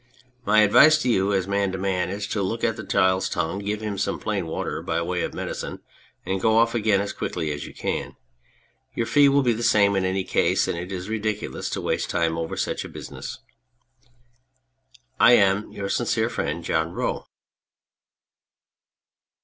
My advice to you as man to man is, to look at the child's tongue, give him some plain water by way of medicine, and go off again as quick as you can. Your fee will be the same in any case, and it is ridiculous to waste time over such business. I am, Your sincere friend, JOHN ROE.